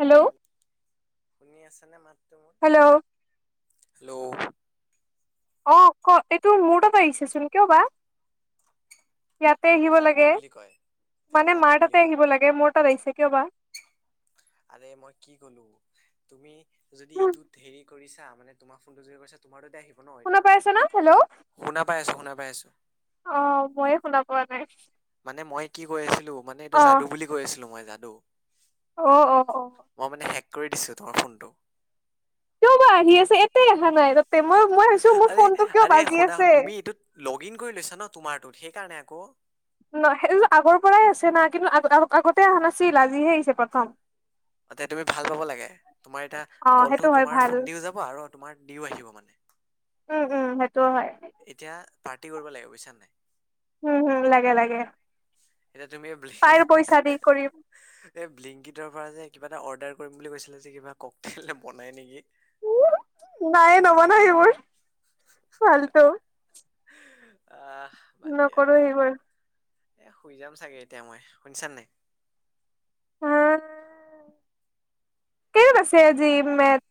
Hello শুনি আছা নে মাতটো মোৰ? Hello hello! অঁ ক, এইটো মূৰ তাৰ পৰা আহিছে চোন কিয় বা। ইয়া তে এইটো আহিব যাদু লাগে। বুলি কয়, এইটো মানে যাদু মাৰ বুলি তাতে কয়। আহিব লাগে মোৰ তাত আহিছে কিয় বা? আৰে মই কি কলো? তুমি যদি ইটোত হেৰি কৰিছা, মানে তোমাৰ ফোনটো যদি কৰিছা তোমাৰ তাতে আহিব ন। শুনা এইটো পাই মানে আছ না হেল্ল' শুনা পাই আছো, শুনা পাই আছো। অ' মইয়ো শুনা পোৱা নাই। মানে মই কি কৈ আছিলো, মানে এইটো অ যাদু বুলি কৈ আছিলো মই যাদু। অ' অ' অ'। মই মানে হেক কৰি দিছো তোমাৰ ফোনটো। কিয় বা আহি আছে। এটাই অখা তাতে মই মই ভাবিছো মোৰ আৰে ফোনটো কিয় আৰে বাজি শুনা আছে? তুমি এইটোত লগ ইন কৰি থৈছা ন তোমাৰটোত, সেইকাৰণে আক। নহ সেইটোতো আগৰ পৰাই আছে না কিন্তু আগতে অহা নাছিল আজিহে আহিছে প্ৰথম। এতিয়া তুমি ভাল পাব লাগে। তোমাৰ এতিয়া অ কলটো সেইটো হয় তোমাৰ ভাল ফোন দিও যাব আৰু তোমাৰ দিও আহিব মানে। উম উম সেইটোও হয়। এতিয়া পাৰ্টি কৰিব লাগে বুজিছা নে নাই? উম হুম লাগে লাগে। এতিয়া তুমি ব্লিং কাৰ পইচা দি কৰিম এই ব্লিংকিৰ পৰা যে কিবা এটা অৰ্ডাৰ কৰিম বুলি কৈছিলে যে কিবা কক তেল বনাই নেকি? উম নাই নবনাই এইবোৰ ফাল্টু। আহ বাদ দিয়া নকৰো সেইবোৰ এইবোৰ। এ শুই যাম চাগে এতিয়া মই। শুনিছা নে নাই? উম আছে আজি মেচ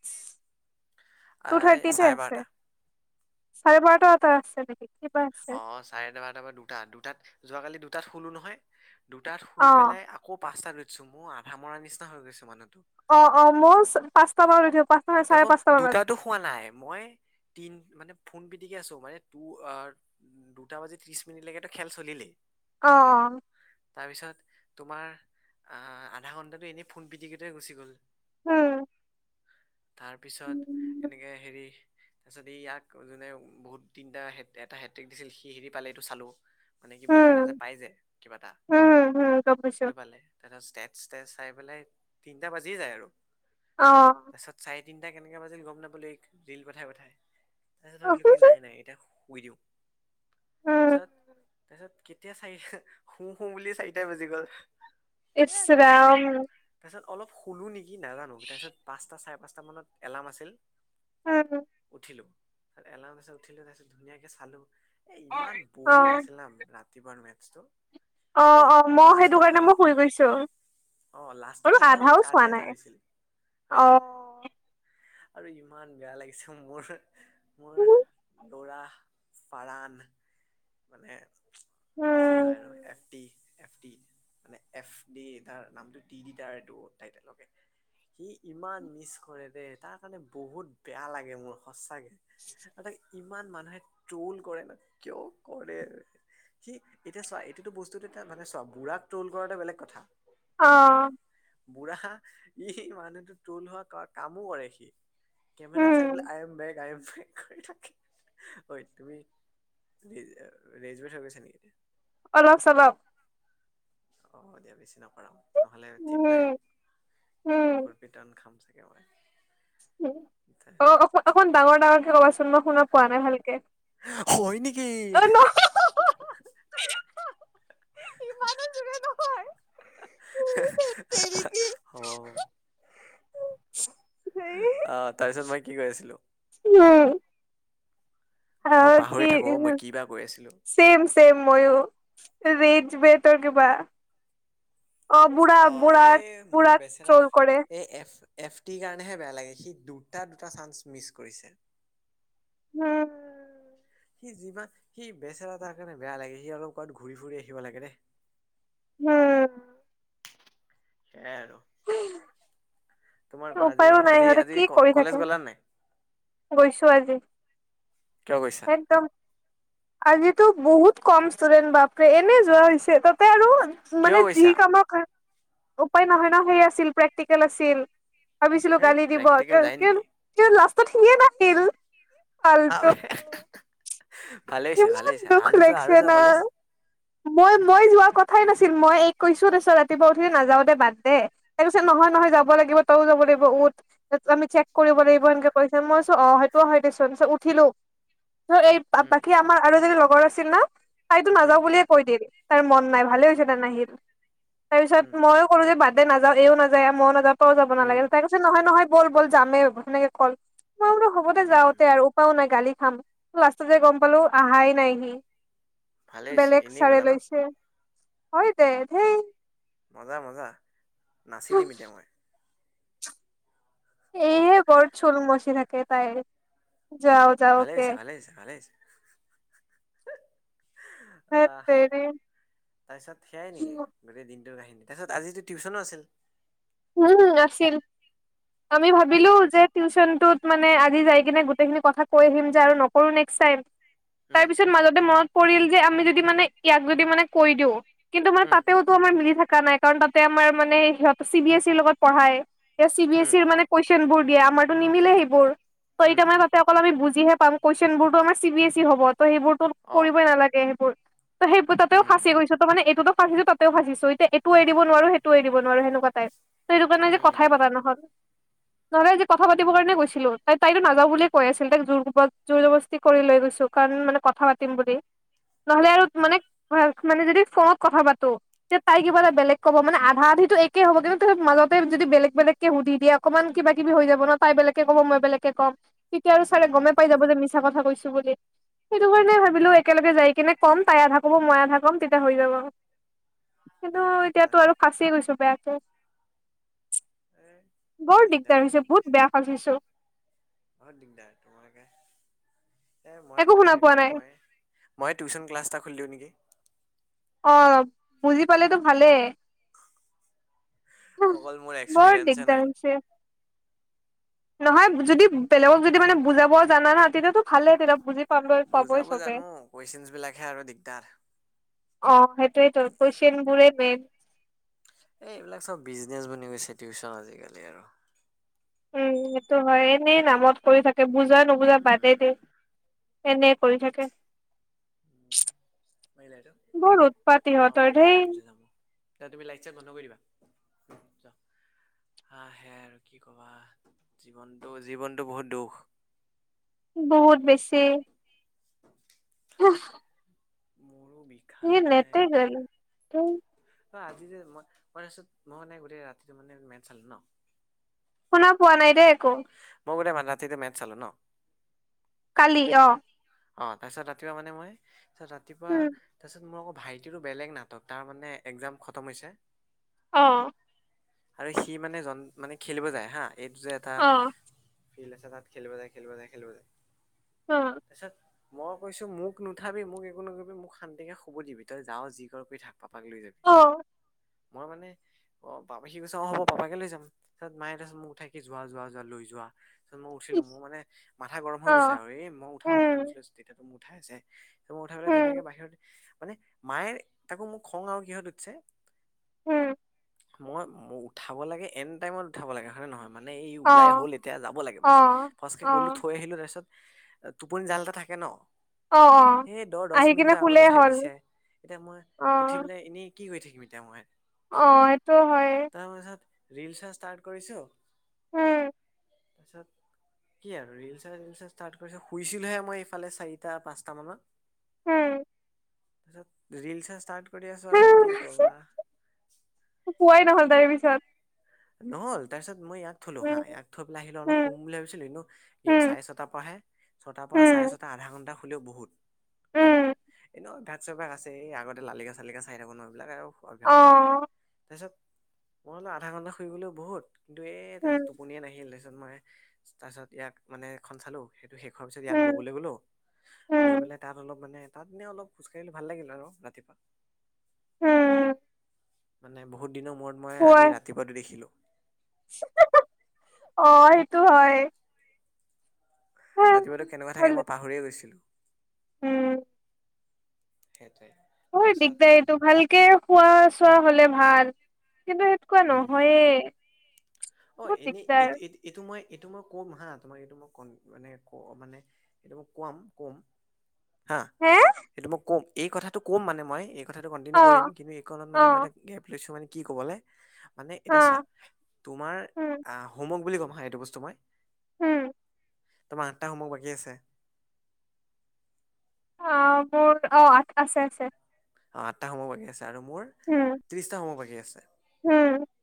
টু আহ, এই থাৰ্টিতে চাৰে আছে। বাৰটা চাৰে বাৰটা এটা আছে কিবা আছে অ চাৰে বাৰটা পৰা দুটা দুটাত যোৱাকালি দুটাত শুলো নহয় দুটাত অ শুই পেলাই আ কৌ পাঁচটা উঠিছো মোৰ আধা মৰা নিচিনা হৈ গৈছো মানুহতো। অ অ মইও পাঁচটা মানত উঠিব পাঁচটা নহয় চাৰে তাকো পাঁচটা মানত দুটাতো হোৱা নাই মই তিন মানে ফোন পিটিকি তু আৰ দুটা বাজি ত্ৰিশ মিনিটলৈকে ত খেল চলিলেই। অ অ। তাৰপিছত তোমাৰ আধা ঘণ্টাটো এনেই ফোন পিটিকোটে গুচি গ'ল। উম তাৰ পিছত এনেকে হেৰি, তাৰপিছত ইয়াক যোনে বহুত তিনিটা হে এটা হেট্ৰিক দিছিল সি হেৰি পালে এইটো চালোঁ। মানে কি বুলি কয় এটা উম যে পাই যে কিবা এটা উম উম গম পাইছো সেইটো পালে। তাৰপিছ ষ্টেজ ষ্টেজ চাই পেলাই তিনিটা বাজিয়ে যায় আৰু, অ পাছত চাৰে তিনিটা কেনেকে বাজিল গম নাপালো ৰিল পঠাই পঠাই তাৰপিছত উম ভাবিলো কি নাই নাই এতিয়া শো, শুই দিওঁ তাৰপিছত‌ তাৰপিছত কে, এতিয়া চাৰি শু শু বুলি চাৰিটাই বাজি গ'ল। এ তাৰপিছত আৰু ইছৰাম তাৰপিছত অলপ শোলোঁ নেকি নাজানো তাৰপিছত পাঁচটা চাৰে পাঁচটা মানত এলাৰ্ম আছিল, কোৱা আৰু উঠিলো ত এলাউত উঠিলো তাৰপিছত ধুনীয়াকে চালো। এ ইমান অ বৰিং আছিল না ৰাতিপুৱাৰ মেচটো। অ অ মই সেইটো কাৰণে মই শুই গৈছো অ লাষ্টৰ আৰু ফালেহে অলপ আধাও চোৱা কাজিয়া এটা নাই। হৈছিল হয় অ নেকি আৰু ইমান বেয়া লাগিছে মোৰ মোৰ, নোৰা ফাৰান, মানে যি হয় আৰু উম এফ টি এফ টি, মানে এফ ডি তাৰ নামটো টি ড তাৰ এইটো তাই তলকে। সি ইমান মিচ কৰে দেই তাৰ কাৰণে বহুত বেয়া লাগে মোৰ সচাকে। আৰু ইমান মানুহে ট্ৰল কৰে ন কিয় কৰে। সি এতিয়া চোৱা এইটোতো বস্তু এ মানে চোৱা বুঢ়াক ত্ৰল কৰা এটা বেলেগ কথা। হয় নহয় অ বুঢ়া ই মানুহটো ত্ৰল হোৱা কামো কৰে সি। কেমেৰাাত চাই উম পেলাই I am beg I am beg কৰি থাকে ঐ তুমি, ৰেজ ৰেজোৰ কথা কৈছে নেকি? অলপ চলপ। অ দিয়া বেছি নকৰাও। নহ'লে ঠিক নাই উম উম কুকুৰ পীতন খাম চাগে মই। অ অ অকণ ডাঙৰ ডাঙৰকে ক'বাচোন মই শুনা পোৱা নাই ভালকে। অ হয় নি। অ নহ অ, [unintelligible] [unintelligible] ধেৎ তেৰিকি [unintelligible] হ [unintelligible] তাৰপিছত মই কি কৈ আছিলো? উম। মই আৰু কি পাহৰি থাকো অ মই কিবা কৈ আছিলো? চেম চেম ময়ো ৰেজ বেতৰ কিবা? অ বুঢ়া অ বুঢ়া এই মোৰ বুঢ়াক বেচেৰা ট্ৰল কৰে এই এফ। এফ টিৰ কাৰনেহে বেয়া লাগে সি দুটা দুটা চান্স মিছ কৰিছে। হোম। সি যিমান সি বেচেৰা তাৰ কাৰণে বেয়া লাগে সি অলপমান ঘূৰি ফুৰি আহিব লাগে দে। হুম' সেইয়াই আৰু তোমাৰ কোৱা আজি উপায়ো নাই আজি সিহঁতে আজি কি কৰি থাকে কলেজ গলা নে নাই? গৈছো আজি। কিয় গৈছা? একদম আজিতো বহুত কম ষ্টুডেন্ট বাপৰে এনে যোৱা হৈছে তাতে আৰু- কিয় মানে যি গৈছা কামৰ কা উপায় নহয় ন সেই আছিল প্ৰেক্টিকেল আছিল। ভাবিছিলো সেই গালি দিব প্ৰেক্টিকেল যায় কে নেকি কে লাষ্টত সিয়ে নাছিল। আৰু ভালে হৈছে ভালে কিমান হৈছে দুখ আৰু যোৱা লাগিছে আৰু যোৱা না কলেজ। মই মই যোৱাৰ কথাই নাছিল, মই এইক কৈছো তাছত ৰাতিপুৱা উঠি নাযাওঁ দে বাদ দে। তাই কৈছে নহয় নহয় যাব লাগিব তইও যাব লাগিব উঠ। আমি চেক কৰিব লাগিব সেনকে কৈছে, মই কৈছো অঁ সেইটো হয় দেছোন উঠিলো। ত এই উম বাকী আমাৰ আৰু এজনী লগৰ আছিল ন, - তাইতো উম নাযাও উম বুলিয়ে কৈ দিল, তাৰ মন নাই উম ভালেই হৈছে তাই নাহিল। তাৰ পিছত উম মইও- কলো যে বাদদে নাযাওঁ, এইও নাযায় মইও নাযাওঁ তইও যাব উম নালাগে, তাই ক- ছে নহয় নহয় ব'ল ব'ল যামে সেনেকে কল, মই বোলো হ'ব দে যাওঁ তে উম আৰু। পাও নাই গালি খাম লাষ্টতে গম পালো উম আহাই নাই সি। ভালে হৈছে বেলেগ এনেই ছাৰে গ'লা ন লৈছে হয় দে ধেই। মজা মজা নাচি দিম এতিয়া মই। এইহে বৰ চলোং মচি থাকে তাই, যাওত- ভালে হৈছে ভালে হৈছে ভালে হৈছে। ধেৎ আহ' তেৰি তাৰ পিছত সেয়াই নেকি গোটেই দিন- টো কাহিনী তাৰপিছত আজিটো টিউশ্যনো আছিল। উম' নাছিল। আমি ভাবিলো হয়। যে টিউচনটোত মানে আজি যাই কিনে গোটেইখিনি কথা কৈ দিম যে আৰু নকৰো নেক্স টাইম। [unintelligible] তাৰপিছত মাজতে মনত পৰিল যে আমি যদি মানে ইয়াক যদি মানে কৈ দিওঁ, - কিন্তু মানে উম তাতেওতো আমাৰ মিলি থাকা নাই, কাৰণ তাতে আমাৰ মানে সিহঁত চি বি এছ ইৰ ৰ লগত পঢ়ায়। এ চি বি এছ উম ইৰ মানে কুৱেশচন বোৰ দিয়ে আমাৰতো নিমিলে সেইবোৰ ত উম এতিয়া মানে ভাব- তে অকল আমি বুজিহে পাম, কুৱেছন বোৰতো আমাৰ চি বিএছ ই হ'ব ত' সেইবোৰতো অ কৰিবই নালাগে সেইবোৰ। ত সেই তাতে উম ফাঁচি গৈছো ত মানে এইটোতো ত সেইবোৰ তাতেও ফাচি গৈছো ত মানে এইটোটো ফাঁচিচো তাতেও ফাঁচিছো এতিয়া এইটো এৰি দিব নোৱাৰো সেইটো এৰি দিব নোৱাৰো সেনেকুৱাত- টাইপ। ত' সেইটো কাৰণে আজি কথাই উম পতা নহল। [inaudible] নহলে আজি কথা পাতিব কাৰণে গৈছিলো, তাইতো নাযাওঁ বুলিয়ে কৈ আছিল তাইক জোৰ জব জবস্তি কৰি লৈ গৈছো। কাৰণ মানে কথা পাতিম বুলি, নহলে উম আৰু- মানে মানে যদি ফোনত কথা পাতো তে তাই কিবা এটা বেলেগ ক'ব মানে আধা আধিটো এইক- কি হ'ব? কিন্তু তাছত মাজতে যদি বেলেগ বেলেগকে সুধি দিয়ে অকমান কিবা কিবি হৈ যাব ন' তাই বেলেকে ক'ব মই বেলেগে কম। তেতিয়া আৰু ছাৰে উম উম গমে পাই যাব যে মিছা কথা কৈছো বুলি, সেইটো উম কাৰণে, ভাবিলো একেলগে যায় কিনে- কম তাই আধা ক'ব মই আধা কম তেতিয়া হৈ যাব, কিন্তু উম এতিয়াটো আৰু তাৰপিছত ফাচ- চি গৈছো বেয়াকে, এই বৰ দিগদাৰ হৈছে বহুত বেয়া ফাচিছোঁ। বহুত দিগদাৰ তোমাৰকা, এই মইয়ে একো শুনা পঢ়াই পোৱা দিমগে নাই ময়ে। মইয়ে টিউচন ক্লাছ এটা খুলি দিওঁ নেকি। অঁ', বুজি পালেতো ভালেই। অঁ' অকল মোৰ বৰ এক্সপিৰিয়েঞ্চে নাই দিগদাৰ হৈছে। নহয়, যদি বেলেগক যদি মানে বুজাব জানা না তেতিয়াতো ভালে তেতিয়া বুজি পাবই পাবই চবে। কুৱেচনছবিলাকহে আৰু দিগদাৰ। অ', সেইটোৱেইতো কুৱেচনবোৰে মেইন। এ, এইবিলাক চব বিজনেছ বনি গৈছে টিউচন আজিকালি আৰু। উম, সেইটো হয়, এনেই নামত কৰি থাকে, বুজা নুবুজা বাদেই দে। এনে কৰি থাকে। মাৰিলা এইটো? বৰ উৎপাত অ' ইহঁতৰ মই ধেই বন্ধ কৰি থৈ যাম অ'। এতিয়া তুমি লাইট চাইট বন্ধ কৰি দিবা। হা, হে আৰু কি ক'বা, জীৱনটো জীৱনটো বহুত দুখ। বহুত বেছি। [inaudible] মোৰো বিষ। এই নেটৱৰ্ক গ'ল থেই। অ', আজি যে মই, মই তাৰপিছত মই মানে গোটেই ৰাতিটো মানে মেটচ চালোঁ ন'। শুনা পোৱা নাই দেই একো। মই গোটেই মান ৰাতিতে মেথ চালোঁ ন'। কালি অ'। অ', তাৰপিছত ৰাতিপুৱা মানে মই, পিছত ৰাতিপুৱা উম তাৰপিছত মোৰ আকৌ ভাইটিৰো বেলেগ নাটক, তাৰ মানে এক্সাম খতম হৈছে অ'। আৰু সি মানে জন মানে খেলিব যায় হা, এইটো যে এটা অ ফিল্ড আছে তাত খেলিব যায়, খেলিব যায়, খেলিব যায়। অ'। তাৰপিছত মই কৈছোঁ মোক নুঠাবি, মোক একো নকবি, মোক শান্তিকে শুব দিবি, তই যাওঁ যি কৰ কৰি থাক, পাপাক লৈ যাবি। অ'। মই মানে অ পাপা সি কৈছে অ' হ'ব পাপাকে লৈ যাম পিছত মায়ে তাৰপিছত মোক উঠাই কি যোৱা যোৱা যোৱা লৈ যোৱা। তাৰপিছত মই উঠিলোঁ, ইচ মোৰ মানে মাথা গৰম হৈ অ গৈছে আৰু এই মই উঠাও মানে উম গৈছিলো তেতিয়াতো মোৰ উঠাই আছে। মই উঠাই পেলাই উম ধুনীয়াকে বাহিৰত, মানে মায়ে তাকো মোক খং আৰু কিহত উঠছে হু। মই মোক উঠাব লাগে, এন টাইমত উঠাব লাগে হয়নে নহয়? মানে এই ওলাই অ', হ'ল এতিয়া যাব লাগে অ', বাছ, ফৰ্চকে গ'লো, অ', থৈ আহিলোঁ তাৰপিছত টোপনি জাল এটা থাকে ন'? অ', অ'। সেই দহ দহ আহি কিনে মিনিটৰ আগত শুলেই উঠাই হ'ল দিছে, এতিয়া মই অ', উঠি পেলাই এনেই কি কৰি থাকিম এতিয়া মই। অ', এইটোও হয়। তাৰপিছত ৰিলচ চা ষ্টাৰ্ট কৰিছোঁ উম। তাৰপিছত কি আৰু ৰিলছ চাই ৰিলছ চাই ষ্টাৰ্ট কৰিছোঁ, শুইছিলোহে মই এইফালে চাৰিটা পাঁচটা মানত। হু। পিছত ৰিলছ চা ষ্টাৰ্ট কৰি দি আছোঁ আৰু কি ক'বা। মোৰ শুৱাই নহ'ল তাৰে পিছত। নহ'ল? তাৰপিছত মই ইয়াক থলোঁ হা, উম, ইয়াক থৈ পেলাই আহিলোঁ অলপ উম, শুম বুলি ভাবিছিলোঁ, এনেও উম, চাৰে ছয়টাৰ পৰাহে ছটাৰ পৰা উম, চাৰে ছটা আধা ঘণ্টা শুলেও বহুত। হয় ন, উম। এনেও গাছজোপা আছে এই আগতে লালিকা - চালিকা চাই থাকো ন এইবিলাক আৰু [unintelligible] অ', তাৰপিছত মই বোলো আধা ঘন্টা শুই গলেও বহুত কিন্তু এই তাৰপিছত উম, টো পনিয়ে নাহিল তাৰপিছত মই তাৰপিছত ইয়াক মানে এখন চালো সেইটো শেষ হোৱাৰ পিছত ইয়াক উম, লবলৈ গলো লৈ উম, পেলাই তাত অলপ মানে তাত মানে অলপ খোজ কাঢ়িলে ভাল লাগিল আৰু ৰাতিপুৱা। হুম। মানে বহুত দিনৰ মূৰত মই শুৱাই আজি ৰাতিপুৱাটো দেখিলোঁ। অ সেইটো হয়। ৰাতিপুৱাতো কেনেকুৱা হল থাকে, মই পাহৰিয়ে গৈছিলোঁ। উম। সেইটোৱে। বহুত তাৰপিছত দিগদাৰী ইটো ভালকে খোৱা চোৱা হ'লে ভাল কিন্তু সে কুৱা উম নহয়ে অ বহুত এনেই এই দিগদাৰ। এইটো মই এইটো মই কম হা তোমাৰ এইটো মই ক মানে ক মানে সেইটো মোক কোৱাম কম, হা হে সেইটো মোক কম এই কথাটো কম মানে মই এই কথাটো কণ্টিনিউ কৰিম অ', কিন্তু এইকনত মানে মই অ', এটা গেপ লৈছোঁ মানে কি ক'বলে মানে হা এতিয়া চা, তোমাৰ উম, আহ হোমৱৰ্ক বুলি ক'ম হা এইটো বস্তু মই উম। তোমাৰ আঠটা হোমৱৰ্ক বাকী আছে। অ মোৰ, অ আঠটা আছে আছে। অ আঠটা হোমৱৰ্ক বাকী আছে আৰু মোৰ ত্ৰিশটা হোমৱৰ্ক বাকী আছে। অ।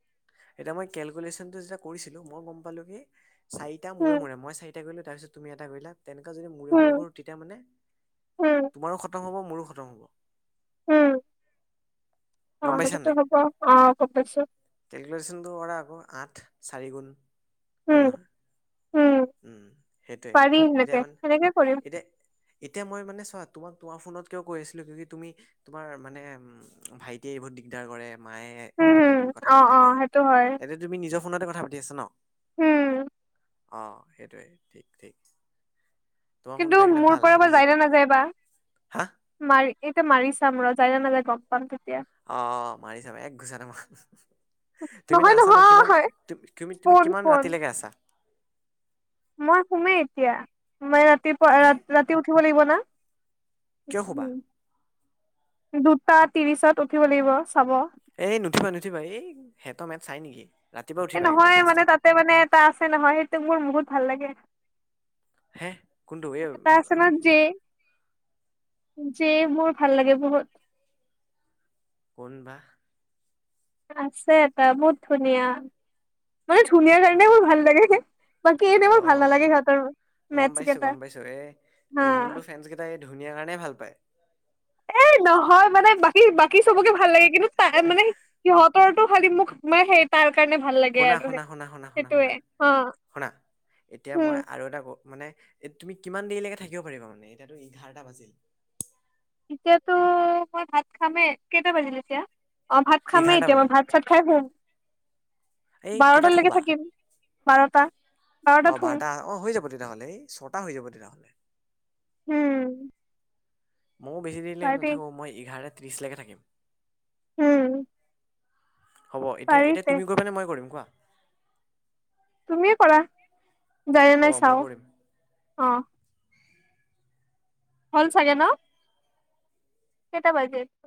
এতিয়া মই কেলকুলেচনটো যে কৰিছিলোঁ মই গম পালো কি চাৰিটা উম, মূৰে মূৰে মই চাৰি টা কৰিলো তাৰপিছত তুমি এটা কৰিলা তেনেকুৱা যদি মূৰে মূৰে উম, কৰো তেতিয়া মানে উম, তোমাৰো খ তম হব মোৰো খতম হব। উম, অ গম পাইছা সেইটোতো নাই হব, অ গম পাইছোঁ। কেলকুলেশ্যনটো কৰা আকৌ আঠ চাৰিগুণ হয়নে উম, নহয়? উম সেইটোৱে পাৰি এতিয়া সেনেকে মান সেনেকে কৰিম এতিয়া এতিয়া মই মানে চোৱা তোমাক তোমাৰ ফোনত কিয় কৈ আছিলো কিয়ুকি তুমি তোমাৰ মানে উম ভাইটিয়ে বহুত দিগদাৰ কৰে মায়ে উম, কিবা কিবি হম, কথা পাতি অ', থাকে, অ', সেইটো হয় এতিয়া তুমি নিজৰ ফোনতে কথা পাতি আছা ন? উম, অ সেইটোৱে ঠিক ঠিক। তোমাৰ কিন্তু ফোনটো থাকিলে মোৰ ভাল পৰা বা তুমি যি যায় না নাযায় বা। হা মাৰি এতিয়া মাৰি চাম ৰ যায় না নাযায় গম পাম তে অ অ মাৰি ছাবা, এক ঘোচাতে মাহ আহ আহ তুমি না নহয় আছা ন কিমান নহয় তু তুমি তুমি ফোন কিমান ফোন ৰাতিলৈকে আছা? মই শুমেই এতিয়া, মই ৰাতিপুৱা হে ৰা ৰাতি উঠিব লাগিব না। কিয় শুবা [unintelligible] দুটা ত্ৰিশত উঠিব লাগিব চাব। এই নুঠিবা নুঠিবা এই সেই টমেত চাই নেকি? ৰাতিপুৱা এ উঠিবা একেবাৰে নহয় মানে পাঁচটাত তাতে মানে এটা আছে নহয় সেইটো মোৰ বহুত ভাল লাগে। হেহ কোনটো এই এটা আছে [unintelligible] যে মোৰ ভাল লাগে বহুত। কোনবা? আছে এটা বহুত ধুনীয়া। মানে ধুনীয়াৰ বা কাৰণে মোৰ ভাল লাগে, বাকী অ এতিয়া মোৰ ভাল অ নালাগে সিহতৰ। গম পাইছো গম পাইছো, এই ৰুণুলটো ফেনস কেইটাই এই ধুনীয়া কাৰণেই ভাল পায়। এ নহয় মানে বাকী বাকী চবকে ভাল লাগে কিন্তু তাই মানে। সিহঁতৰটো খালি মোকমে সেই। তাৰ কাৰণে ভাল লাগে শুনা আৰু শুনা শুনা শুনা শুনা শুনা সেইটোয়ে অ শুনা এতিয়া মই উম আৰু এটাকম। মানে এ তুমি কিমান দেৰিলৈকে থাকিব পাৰিবা মানে এতিয়াতো এঘাৰটা বাজিল। এতিয়াতো মই ভাত খামে কেইটা বাজিলে এতিয়া অ ভাত খামেই এঘাৰটা এতিয়া মই বাজিল ভাত। চাত খাই হুম এই কেইটাত বাৰটালৈকে শুবা থাকিম বাৰটা। বাৰটাত অ শুম বাৰটা অ হৈ যাব তেতিয়াহ'লে এই ছটা হৈ যাব তেতিয়াহ'লে। উম- ময়ো বেছি দেৰিলৈকে পাৰি নেথাকোঁ মই এঘাৰটা ত্ৰিছলৈকে থাকিম। উম হ'ব এতিয়া পাৰি এতিয়া তে তুমি কৰিবানে মই কৰিম কোৱা। তুমিয়ে কৰা যায় হ'ব নাই মই চাও কৰিম অ- হল চাগে ন কেটা বাজিল।